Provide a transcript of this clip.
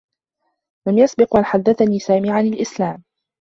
لم يسبق و أن حدّثني سامي عن الإسلام.